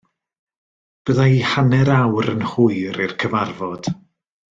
Bydda i hanner awr yn hwyr i'r cyfarfod.